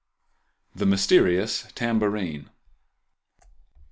The Mysterious Tambourine.